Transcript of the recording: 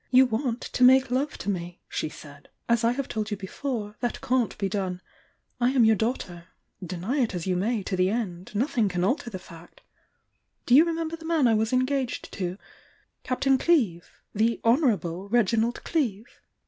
"You want to make love to me," she said. "As I have told you before, that can't be done. I am your daughter, — deny it as you may to the end, nothing can alter the fact. Do you remember the man I was engaged to?— Captain Cleeve?— the 'Honourable' Reginald Cleeve?"